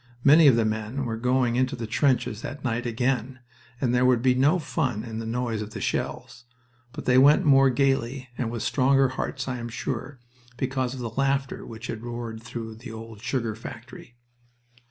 Many of the men were going into the trenches that night again, and there would be no fun in the noise of the shells, but they went more gaily and with stronger hearts, I am sure, because of the laughter which had roared through the old sugar factory.